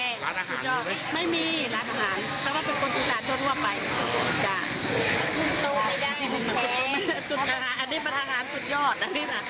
ร้านอาหารมั้ยไม่มีร้านอาหารเขาว่าเป็นคนอุตส่าห์ทั่วร่วมไป